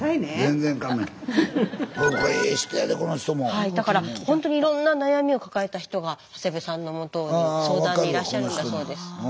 はいだからほんとにいろんな悩みを抱えた人が長谷部さんのもとに相談にいらっしゃるんだそうです。